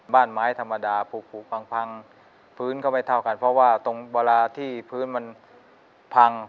บ้านไม้ธรรมดาผูกพังพื้นก็ไม่เท่ากันเพราะว่าตรงเวลาที่พื้นมันพัง